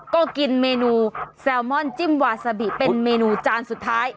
ก็กินเมนูแซลมอนจิ้มวาซาบิเป็นเมนูจานสุดท้าย